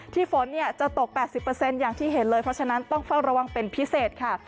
ฝนจะตก๘๐อย่างที่เห็นเลยเพราะฉะนั้นต้องเฝ้าระวังเป็นพิเศษค่ะ